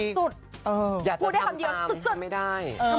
อย่าจะทำตามทำไม่ได้